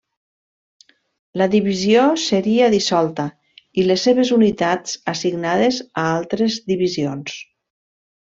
La divisió seria dissolta, i les seves unitats assignades a altres divisions.